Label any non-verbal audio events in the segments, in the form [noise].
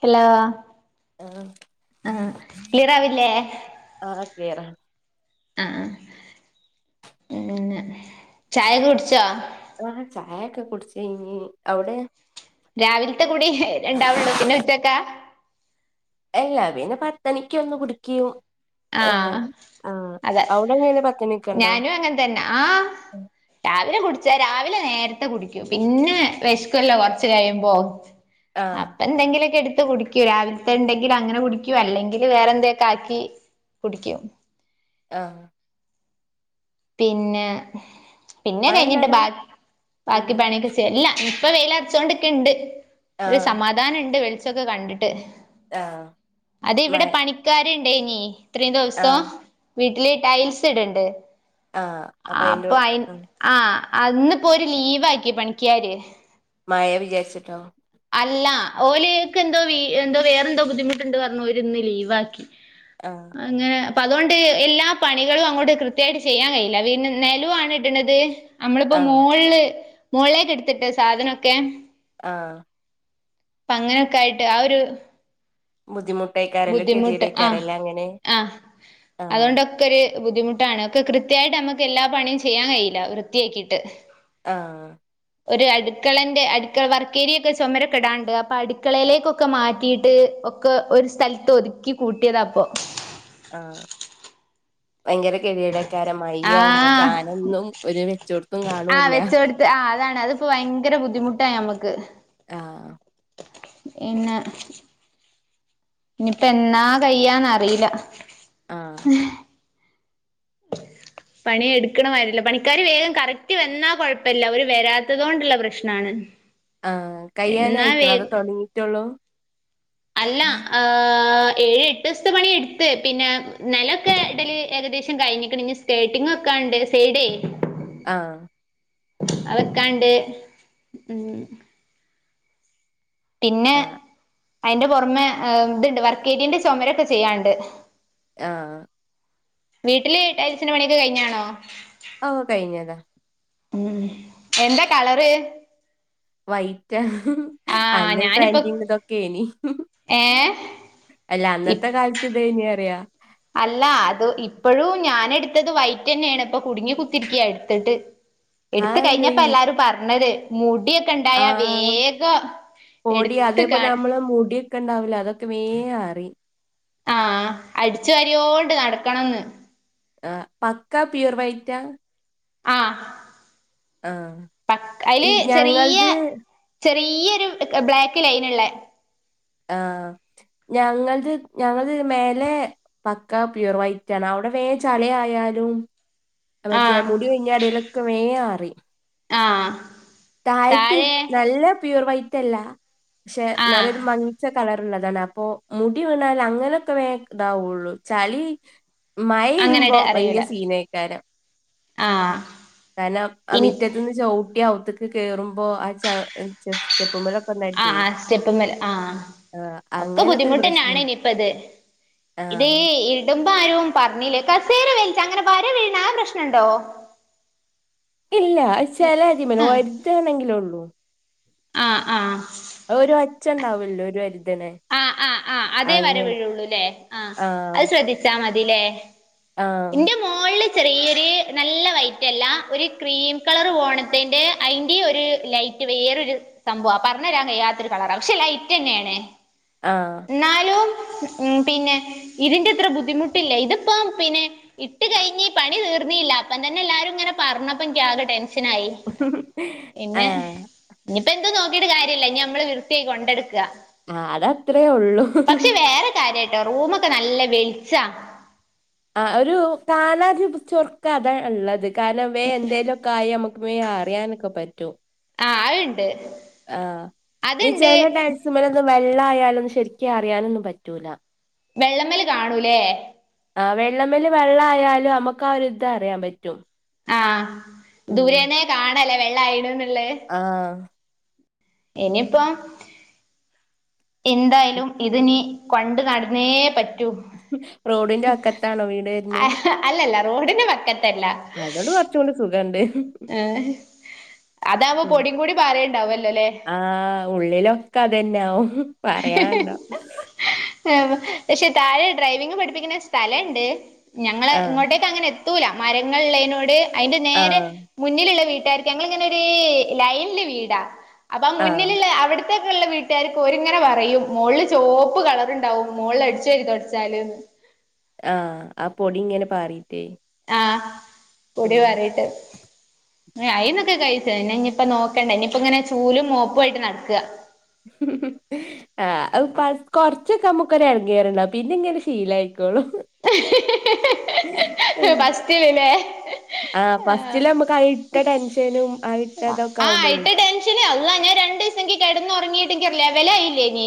Hello ആഹ് ആ ക്ളിയറാവില്ലേ? ആഹ ക്ലിയർ ആണ്. ആഹ പിന്നെ ചായ കുടിച്ചോ? ആഹ ചായൊക്കെ കുടച്ച് കഴിഞ്ഞി അവിടെ. രാവിലത്തെ കൂടി രണ്ടാവുള്ളൂ പിന്നെ ഉച്ചക്കാ. എല്ലാ പിന്നെ പത്തണിക്ക് ഒന്ന് കുടുക്കും. അ ആഹ് ആ് അതെ അവിടെ അങ്ങനെ പത്തണിക്ക് ഉണ്ടോ? ഞാനും അങ്ങനെ തന്നെ ആ രാവിലെ കുടിച്ച രാവിലെ നേരത്തെ കുടിക്കൂം. പിന്നെ വിശക്കുവല്ലോ കൊറച്ച് കഴിയുമ്പോ. [inaudible] ആഹ് അപ്പൊ എന്തെങ്കിലുമൊക്കെ എടുത്ത് കുടിക്കൂം. രാവിലത്തെ ഉണ്ടെങ്കിലും അങ്ങനെ കുടിക്കൂ. അല്ലെങ്കില് വേറെ എന്തൊക്കെ ആക്കി. കുടിക്കും. ആഹ് പിന്നെ പിന്നെ മഴ ഉണ്ടോ കഴിഞ്ഞിട്ട് അവിടെ ഉം ബാക്കി പണിയക്കെ ല്ലാ ഇപ്പൊ വെയിൽ അർച്ചോണ്ട് ക്ക്ണ്ട് ഒരു ആഹ് സമാധാനം ഇണ്ട്. വെളിച്ചൊക്കെ കണ്ടിട്ട്. ആഹ് അത് ഇവിടെ മഴ പണിക്കര് ഇണ്ടേഇനി ഇത്രയും ദിവസം. ആഹ് വീട്ടില് ടൈൽസ് ഇട്ണ്ട്. ആഹ് ആഹ് അയിന്റെ അപ്പൊ അയി ആഹ് ആഹ് ന്ന് പ്പോ ഓര് ലീവ് ആക്കി പണിക്കിയാര്. മഴ വിചാരിച്ചിട്ടോ? അല്ല ഓല്ക്ക് എന്തോ എന്തോ വേറെന്തോ ബുദ്ധിമുട്ടുണ്ട് പറഞ്ഞു ഓര് ഇന്ന് ലീവാക്കി. ആഹ് അങ്ങന പ്പോ അതുകൊണ്ട് എല്ലാ പണികളും അങ്ങോട്ട് കൃത്യായിട്ട് ചെയ്യാൻ കഴയില്ല. പിന്നെ നലം ആണ് ഇടണത്. നമ്മൾ പ്പോ ആഹ് മോള് മോളേക് എടുത്തിട്ട് സാധനൊക്കെ ആഹ് അപ്പ അങ്ങനോക്കൊ ആയിട്ട് ആ ഒരു. ബുദ്ധിമുട്ടായിക്ക ബുദ്ധിമുട്ട് അഹ് അഹ് ആഹ് അതോണ്ട്. ക്കൊര് ബുദ്ധിമുട്ടാണ് ഒക്കെ കൃത്യായിട്ട് നമക്ക് എല്ലാ പണിയും ചെയ്യാൻ കിയില്ല. വൃത്തിയാക്കിയിട്ട്. ആഹ് ഒരു അടുക്കളന്റെ അടുക്കള വർക്കേരിയൊക്കെ ചുമരൊക്കെ ഇടാണ്ട്. അപ്പൊ അടുക്കളയിലേക്കൊ. ഒക്കെ മാറ്റിയിട്ട് ഒക്കെ ഒരു സ്ഥലത്ത് ഒതുക്കി കൂട്ടിയതാ. പ്പൊ ആഹ് ഭയങ്കര കതികെടാക്കാരം. മഴയ് ആകുമ്പോം ആഹ് സാധനന്നും ഒരു വെച്ചോടത്തും കാണൂല്ല. വെച്ച കൊടുത്ത് ആഹ് അതാണ് അത് പ്പോ ഭയങ്കര ബുദ്ധിമുട്ടാ ഞമ്മക്ക്. ആഹ് ഇന്നാ ഇനിപ്പ എന്നാ കയ്യാന്നറീല ആഹ് [inaudible] പണി എടുക്കണമായിരില്ല പണിക്കാർ വേഗം കറക്റ്റ് വന്നാ കൊഴപ്പല്ല അവര് വരാത്തത് കൊണ്ടുള്ള പ്രശ്നാണ് ആഹ് എന്നാ വേ കയ്യാനയിക്ക്ണോ അതോ തോടങ്ങിട്ടൊള്ളൂ അല്ലാ ഏഹ് ഏഴ് എട്ട് സ്ത്തെ പണി എടുത്ത് പിന്നെ നലൊക്കെ ഇടല് ഏകദേശം കഴിഞ്ഞിക്ക്ണ് ഇഞ്ഞ് സ്കേട്ടിങ്ങ് വെക്കാണ്ട് സൈഡേ ആഹ് അവെക്കാണ്ട് ഉം പിന്നെ ആഹ് അയിന്റെ പുറമെ ഏഹ് ഇതുണ്ട് വർക്കേരിയന്റെ ചോമരൊക്കെ ചെയ്യാണ്ട് ആഹ് വീട്ടില് ടൈൽസ്ന്റെ പണിയൊക്കെ കഴിഞ്ഞ്ണോ ഓഹ് കഴിഞ്ഞതാ ഉം എന്താ കളറ് വൈറ്റാ ആഹ് അന്ന് ഞാനിപ്പ ട്രെൻഡിങ് ഇതൊക്കെനി ഏഹ് അല്ല ഇ അന്നത്തെ കാലത്ത് ത്ത് ഇതേയിനി അറിയ അല്ല അത് ഇപ്പോഴും ഞാനെടുത്തത് വൈറ്റ് ന്നേണ് ഇപ്പൊ കുടുങ്ങി കുത്തിരിക്കയാ എടുത്തിട്ട് എടുത്ത് കഴിഞ്ഞപ്പാ അതെന്തേനി എല്ലാരും പറഞ്ഞത് മുടിയൊക്കെണ്ടായ ആഹ് വേഗം എടുത്ത് കാണി ഒക്കണ്ടാവൂല അതൊക്ക വേ അറിയും ആഹ് അടിച്ചു വാരിയോണ്ട് നടക്കണംന്ന് ആഹ് പക്കാ പ്യുവർ വൈറ്റാ ആഹ് ആഹ് പക്ക ഈ അയില് ചെറിയ ഞങ്ങൾത് ചെറിയൊരു ബ്ലാക്ക് ലൈനുള്ള ആഹ് ഞങ്ങൾത് ഞങ്ങളിത് മേലെ പക്കാ പ്യുവർ വൈറ്റാണ് അവിടെ വേം ചളി ആയാലും മറ്റേ ആഹ് മുടി കൊയിഞ്ഞാടിലൊക്കെ വേ അറീം ആഹ് താഴത്ത് താഴെ നല്ല പ്യൂർ വൈറ്റല്ല ക്ഷെ ആഹ് ന്നാലൊരു മങ്ങിച്ച കളർള്ളതാണ പ്പോ മുടി വീണാൽ അങ്ങനെയൊക്കെ വേ താവുള്ളൂ ചളി മയരുമ്പോ അങ്ങനെട് ഭയങ്കര സീനേക്കാരം ആഹ്‌ കാരണം ആ മിറ്റത്ത്ന്ന് ചവിട്ടി അവ്ത്ത്ക്ക് കേറുമ്പോ ആ ച ചെസ് സ്റ്റെപ്പുമ്മല് ആഹ്‌ ആഹ് സ്റ്റെപ്പ്മല് ആഹ് ആ ‌ഒക്കെ അങ്ങനൊക്കെ ഒരു പ്രശ്നം ബുദ്ധിമുട്ടന്നാണെനിപ്പത് ആ ഇത് ഈ ഇ ഇടുമ്പാരവും പറഞ്ഞില്ല കസേര വലിച്ച അങ്ങനെ വര വീണാ ആ പ്രശ്നണ്ടോ ഇല്ല ചെലതിമല് ആഹ് ഒരതാണെങ്കിലുള്ളൂ ആഹ് ആഹ്‌ ഒരൊച്ചണ്ടാവല്ലോ ഒരരുതെണെ ആഹ് ആഹ് ആഹ് അതേ വര വീഴുള്ളൂലേ ആഹ് ആ അത് ശ്രദ്ധിച്ചാ മതിലേ ആഹ്‌ മോൾള് ചെറിയൊരു നല്ല വൈറ്റല്ല ഒരു ക്രീം കളർ വോണത്തിന്റെ അയിന്റൊരു ലൈറ്റ് വേറൊരു സംഭവ പറഞ്ഞരാൻ കയ്യാത്തൊരു കളറാ ക്ഷെ ലൈറ്റന്നാണ് ആഹ്‌ എന്നാലും ഉം പിന്നെ ഇതിന്റെത്ര ബുദ്ധിമുട്ടില്ല ഇതിപ്പ പിന്നെ ഇട്ട് കയിഞ്ഞ് പണി തീർന്നില്ല അപ്പം തന്നെ എല്ലാരും ങ്ങനെ പറഞ്ഞപ്പൊ ഇൻക്കാകെ ടെൻഷനായി ഉഹ് ‌ ഏഹ്‌ ഇനിപ്പോ എന്ത് നോക്കിയിട്ട് കാര്യല്ല ഇനിമ്മള് വൃത്തിയായി കൊണ്ടട്ക്ക അതത്രേയുള്ളൂ പക്ഷെ വേറെ കാര്യാട്ടോ റൂമൊക്കെ നല്ല വെളിച്ചാ ആ ഒരു കാണാ ജി പ് ചൊർക്കതാ ള്ളത് കാരണം വേന്തെേലൊക്കെ ആയ നമക്ക് വേ അറിയാനൊക്കെ പറ്റും ആഹ് ആണ്ട് ആഹ്‌ ഈ ചെല ടൈൽസ്മല് വെള്ളായാലും ശരിക്കറിയാനൊന്നും പറ്റൂല വെള്ളമേൽ കാണൂലേ ആ വെള്ളമല് വെള്ളയാലും നമുക്കൊരുതറിയാൻ പറ്റും ആഹ്‌ ഉം ദൂരെനേ കാണലേ വെള്ളാ യിനോ ന്ന്ള്ളെ ആഹ്‌ എനിപ്പം എന്തായാലും ഇതിനീ കൊണ്ടു നടന്നേ പറ്റൂ റോഡിന്റെ വക്കത്താണോ വീട്ര്നേ അല്ലല്ല റോഡിന്റെ വക്കത്തല്ല അതോണ്ട് കൊറച്ചൂടെ സുഖണ്ട് അതാവുമ്പോ പൊടിയും കൂടി പറേണ്ടാവല്ലലേ ആഹ് ഉള്ളിലൊക്കെ അതെന്നാവും പറയാൻണ്ടോ ഏഹ് പക്ഷെ താഴെ ഡ്രൈവിങ് പഠിപ്പിക്കുന്ന സ്ഥലണ്ട് ഞങ്ങള് ആ ഇങ്ങോട്ടേക്കങ്ങനെ എത്തൂല മരങ്ങൾള്ളൈനോട് അതിന്റെ ആ നേരെ മുന്നിലുള്ള വീട്ടാർക്ക് ഞങ്ങൾങ്ങനെര് ലൈൻല് വീടാ അപ്പൊ ആ മുന്നിലുള്ള അവർ ഒറ്റക്കുള്ള വീട്ടാർക്ക് ഒരു ഇങ്ങനെ പറയും മോൾള് ചോപ്പ് കളർണ്ടാവും മോൾള് അടിച്ചാരി തൊടച്ചാല് ആഹ് ആ പൊടിങ്ങനെ പാറീട്ടേ ആഹ് പൊടി ഉം പാറീട്ട് അയിന്നൊക്കെ കഴിച്ചു ഇനിന്നിപ്പ നോക്കണ്ട ഇനിയിപ്പ ഇങ്ങനെ ചൂലും മോപ്പും ആയിട്ട് നടക്ക ആഹ് അയ് ഫസ് കൊറച്ചൊക്കെ നമുക്കൊര് എണങ്ങേറൊണ്ടാവും പിന്നെ ഇങ്ങനെ ശീലായ്ക്കോളു ഫസ്റ്റ് പിന്നെ ആഹ് ഫസ്റ്റില് അമക്ക് ആ ഇട്ട ടെൻഷനും ആഹ് ഇട്ടതൊക്കെ ആവുമ്പളേ അള്ള ഞാൻ രണ്ടൂസം എനിക്ക് കെടന്നൊറങ്ങീട്ട് എനിക്ക് ലെവലായില്ലേനി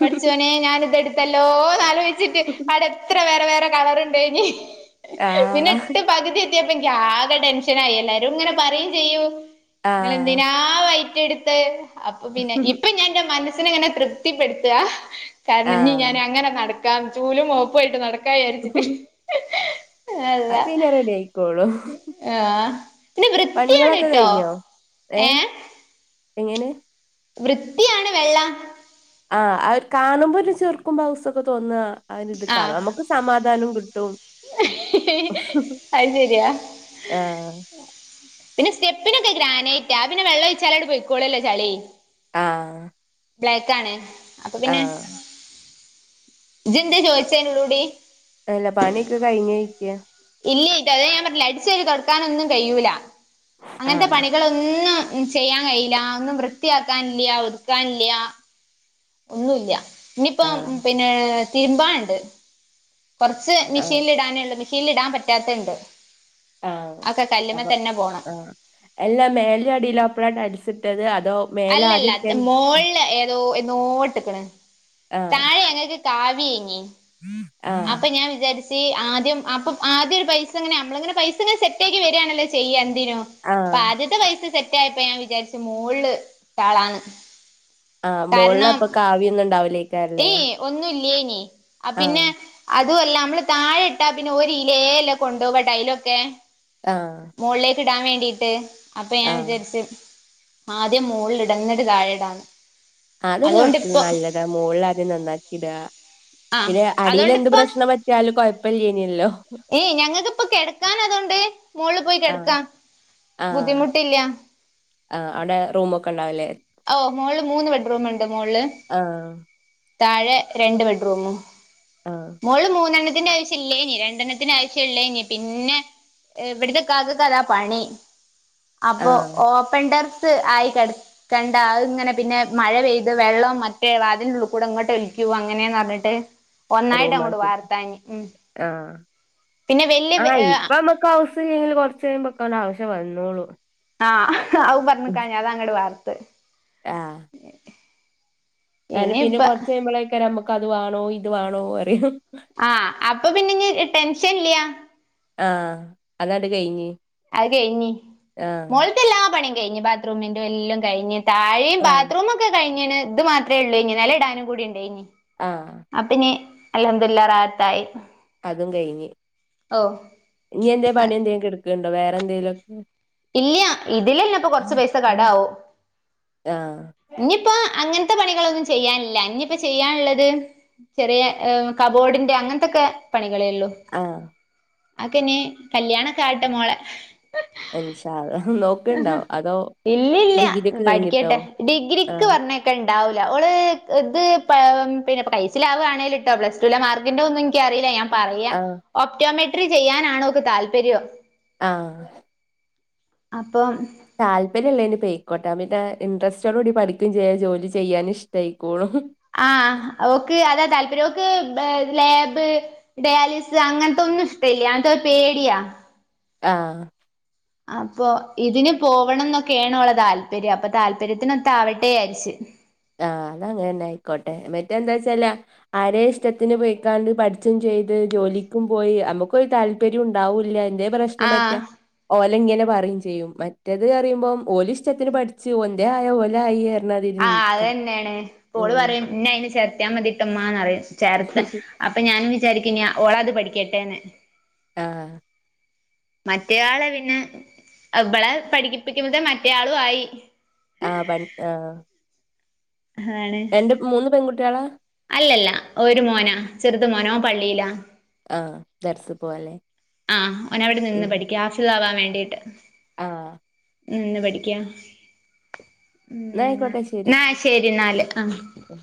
പഠച്ചോനെ ഞാനിതെട് ത്തല്ലോനാലോയിച്ചിട്ട് അവടെത്ര വേറെ വേറെ കളറിണ്ടായ്നി ആഹ് പിന്നിട്ട് പകുതി എത്തിയപ്പ എനിക്ക് ആകെ ടെൻഷൻ ആയി എല്ലാരും ഇങ്ങനെ പറയും ചെയ്യും ആഹ് നിങ്ങളെന്തിനാ വയിറ്റെടുത്തെ അപ്പൊ പിന്നെ ഇപ്പ ഞാന്റെ മനസ് മനസ്സിനിങ്ങനെ തൃപ്തിപ്പെടുത്ത കാരണം ഇനി ആഹ് ഞാൻ അങ്ങനെ നടക്കാം ചൂലും മോപ്പുവായിട്ട് നടക്ക ക്കാ വിയാരിച്ചിട്ട് അള്ള അത് പിന്നെ റെഡി ആയിക്കോളും ആഹ് പിന്നെ വൃത്തിയാണ് പണികളൊക്കെ ട്ടോ കഴിഞ്ഞോ ഏഹ് എങ്ങനെ വൃത്തിയാണ് വെള്ള ആഹ് ആവൊരു കാണുമ്പൊരു ചെറുക്കും പൗസൊക്കെ തോന്ന അവരിത് കാണും നമക്ക് സമാധാനം കിട്ട് [unintelligible] അയ്ശെരിയാ ആഹ് പിന്നെ സ്റ്റെപ്പിനൊക്കെ ഗ്രാനൈറ്റാ പിന്നെ വെള്ള ഒഴിച്ചാണ്ടു പൊയ്കോളുല്ലൊ ചളി ആഹ് ബ്ലാക്ക് ആണ് അപ്പൊ ആഹ് ഇജ്ജന്തെ ചോയിച്ചേനുള്ളൂടി അല്ല പണിയൊക്കെ കഴിഞ് ഇരിക്കാന് ഇല്ലത് അത് ഞാൻ പറഞ്ഞില്ലെ അടിച്ചാരി തൊടക്കാനൊന്നും കഴിയൂല അങ്ങനത്തെ ആഹ് പണികളൊന്നും ചെയ്യാൻ കഴിയില്ല ഒന്നും വൃത്തിയാക്കാനില്ല ഒതുക്കാനില്ല ഒന്നൂല്ല ആഹ് ഇനിയിപ്പം പിന്നെ തിരുമ്പാണ്ട് കൊറച്ച് ആഹ് മെഷീനിൽ ഇടാനേള്ളു മെഷീനിൽ ഇടാൻ പറ്റാത്ത്ണ്ട് ആഹ് അതൊക്കെ കല്ല്മെ അപ്പൊ തന്നെ പോണം ആഹ് എല്ലാ മേല അടിയില അപ്പഴാണ് ടൈൽസ് ഇട്ടത് അടിച്ചി അല്ലല്ല ത് മോള്ൾ എന്നോട്ട്ക്കണ് ആഹ് താഴെ ഞങ്ങക്ക് കാവിയേനി ആഹ് അപ്പ ഞാൻ വിചാരി ച്ച് ആദ്യം അപ്പം ആദ്യൊരു പൈസിങ്ങനെ നമ്മളിങ്ങനെ പൈസ ഇങ്ങനെ സെറ്റ് ആക്കി വരാണല്ലോ ചെയ്യാ എന്തിനും അപ്പൊ ആഹ് ആദ്യത്തെ പൈസ സെറ്റായപ്പ ഞാൻ വിചാരിച്ചു മോള്ള് ഇട്ടാളാണ് ആഹ് മോളിലപ്പ കാവിയൊന്നും ഇണ്ടാവില്ലേക്കാരല്ലേ ഒന്നു ഇല്ല്യേനി ആഹ് പിന്നെ അതും അല്ല നമ്മള് താഴെ ഇട്ടാ പിന്നെ ഓരിലേല്ലെ കൊണ്ടോവ ടൈലൊക്കെ ആഹ് മോളിലേക്ക് ഇടാൻ വേണ്ടിട്ട് അപ്പൊ ഞാൻ ആഹ് വിചാരിച്ചു ആദ്യം മോളിലിട എന്നിട്ട താഴിടാന്ന് അതൊരു കന്നക്ക്ന്ന് നല്ലതാ മോളിലാദ്യം നന്നാക്കി ഇടാ ആഹ് പിന്നെ അടിയില് എന്ത് അതോണ്ടിപ്പ പ്രശ്നം പറ്റിയാലും കൊഴപ്പില്ലേയിന്നല്ലോ ഏയ് ഞങ്ങക്കിപ്പ കെടക്കാൻ അതോണ്ട് മോളില് പോയി കെടക്കാം ബുദ്ധിമുട്ടില്ല ആഹ് അവടെ റൂമൊ ഓ മോളില് മൂന്ന് ബെഡ്റൂമൊണ്ട് മോള്ല് ആഹ് താഴെ രണ്ട് ബെഡ്റൂമിം ആഹ് മോള്ല് മൂന്നെണ്ണത്തിന്റെ ആവശ്യ ഇല്ലേയ്നി രണ്ടെണ്ണത്തിന് ആവശ്യുള്ളേനി പിന്നെ എവിടത്തെ ഇക്കകകത പണി അപ്പൊ ആഹ് ഓപ്പൺടെർസ് ആയി ചെട് കണ്ട അയ് ഇങ്ങനെ പിന്നെ മഴ പെയ്ത് വെള്ളം മറ്റേ വാതില്ന്റെ ഉൾക്കൂടെ ഇങ്ങൊട്ട് ഒലിക്കു അങ്ങനെയാന്നറഞ്ഞിട്ട് പറഞ്ഞിട്ട് ഒന്നായിട്ട് അങ്ങോട്ട് റോമാക്ക വാർത്താഞ്ഞ് ഉം ആഹ് പിന്നെ വല്യ ആ ഏഹ് ഇപ്പ നമ്മക്ക് ഹൌസ് [unintelligible] കുറച്ച് കഴുമ്പൊക്കേ ആവശ്യം വരുന്നോള്ളൂ ആഹ് അവും പറഞ്ഞക്കാണ്ട് അത അങ്ങടെ വാർത് ആഹ് ഏ പിന്നെ ഇനിയിപ്പ കുറച്ച കഴിയുമ്പല്ലേക്കാരം നമ്മുക്ക് അത് വാണോ ഇത് വാണോ പറയൂ ആഹ് അപ്പൊ പിന്ന ഇ ടെൻഷൻ ഇല്ല ആ അതണ്ട് കഴിഞ്ഞ് അത് കഴിഞ്ഞ് ആഹ് മോളത്തെ എല്ലാ പണിയും കഴിഞ്ഞഞ് ബാത്റൂമിന്റെ എല്ലം കഴിഞ് താഴെയ ആഹ് ബാത്റൂമും ഒക്കെ കഴിഞ്ഞന് ഇത് മാത്രമേ ഉള്ളൂ ഇനി നിലം ഇടാനുകുണ്ടേനി അഹ് ആപ്പന്നി അല്ഹംദുല്ല റാഹത്തായി അതും കയ്ഞ്ഞ് ഓ ഇനി എന്തേ പണിഎന്തേങ്കി എട്ക്കുണ്ടോ വേറെന്തേലൊക്കെ ഇല്ല്യ ഇതിലന്നെ ഇപ്പൊ കൊറച്ച് പൈസ കടാവു ആഹ് ഇന്നിപ്പോ അങ്ങനത്തെ പണികളൊന്നും ചെയ്യാനില്ല ഇന്നിപ്പോ ചെയ്യാള്ളത് ചെറിയ കബോഡിന്റെ അങ്ങനത്തൊക്കെ പണികളേള്ളൂ ആഹ് ആക്കെനി കല്യാണക്കെ ആട്ടെ മോളെ ഇൻഷാള്ളാ നോ ഇല്ലില്ല്യ കഴിഞ്ഞിട്ടോ പഠിക്കട്ടെ ഡിഗ്രിക്ക് ആഹ് പറഞ്ഞേ ക്കെണ്ടാവൂല്ല ഓള് ഇത് പ പിന്നെ പൈസലാവേണെലുട്ടൊ പ്ലസ് ടു ലെ മാർക്കിൻ്റെ ഒന്നും എനിക്കറീല്ല ഞാൻ പറയാ ആഹ് ഓപ്റ്റോമെട്രി ചെയ്യാനാണോക്ക് താല്പര്യോ ആഹ് അപ്പം താല്പര്യള്ളേന് പൊയ്ക്കോട്ടാ പിന്നെ ഇൻട്രസ്റ്റോടൂടി പഠിക്കും ചെയ്യും ജോലി ചെയ്യാന് ഇഷ്ടയിക്കോളും ആഹ് ഓക്ക് അതാ താല്പര്യം ഓക്ക് ലേബ് ഡയാലിസ് അങ്ങനത്തൊന്നും ഇഷ്ടല്ല്യ അതൊരു പേടിയാ ആഹ് അപ്പൊ ഇതിന് പോവണംന്നൊക്കെയാണോളെ താല്പര്യം അപ്പൊ താല്പര്യത്തിനൊത്താവട്ടെയാച്ച് ആഹ് അതങ്ങനായിക്കോട്ടെ മറ്റേന്താച്ചാല് ആരെ ഇഷ്ടത്തിന് പോയിക്കാണ്ട് പഠിച്ചും ചെയ്ത് ജോലിക്കും പോയി അമുക്കൊരു താല്പര്യോണ്ടാവൂല്ല പ്രശ്നം പറ്റിയ ആഹ് ഓലെങ്ങനെ പറയും ചെയ്യും മറ്റേത് അറിയുമ്പോം ഓലിഷ്ടത്തിന് പഠിച്ചു ഒന്തേ ആയോ ഓല ആയി എതി ആഹ് അതന്നേണ് ഓള് പറയും ന്നെ അതിനെ ചേർത്തിയാ മതി ട്ടോ ഉമ്മാന്ന് പറയും ചേർത്ത് അപ്പ ഞാനും വിചാരിക്കിനിയ ഓളത് പഠിക്കട്ടെേന്ന് ആഹ് മറ്റയാളെ പിന്നെ ഇവളെ പഠിപ്പിക്കുമ്പത്തേ മറ്റേയാളും ആയി ആഹ് പട് ആഹ് ആഹ് ആണ് രണ്ട് മൂന്ന് പെൺകുട്ടികളാ അല്ലല്ല ഒരു മോനാ ചെറ്ത് മോനോ ഓൻ പള്ളിയിലാ ആഹ് [unintelligible] പോലെ ആഹ് ഓനവിടെ നിന്ന് പഠിക്കാ [unintelligible] താവാൻ വേണ്ടീട്ട് ആഹ് നിന്ന് പഠിക്ക്യാ ഉ എന്നാ ആയിക്കോട്ടെ ശരി ന്നാ ശെരിന്നാല് ആഹ് ഉം